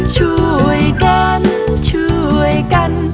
ช่วยกันช่วยกัน